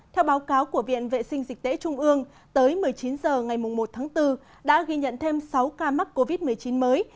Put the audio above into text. theo báo cáo của viện vệ sinh dịch tễ trung ương tới một mươi chín h ngày một tháng bốn đã ghi nhận thêm sáu ca mắc covid một mươi chín mới